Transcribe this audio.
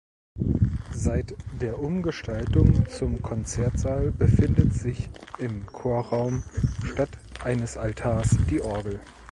Seit der Umgestaltung zum Konzertsaal befindet sich im Chorraum statt eines Altars die Orgel.